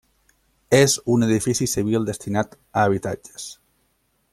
És un edifici civil destinat a habitatges.